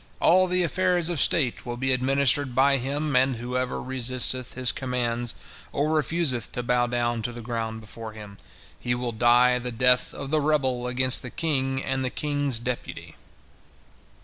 All the affairs of state will be administered by him, and whoever resisteth his commands, or refuseth to bow down to the ground before him, he will die the death of the rebel against the king and the king's deputy."